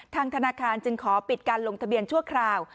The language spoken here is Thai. ธนาคารจึงขอปิดการลงทะเบียนชั่วคราว